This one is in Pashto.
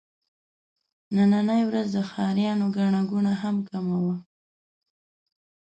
نننۍ ورځ د ښاريانو ګڼه ګوڼه هم کمه وه.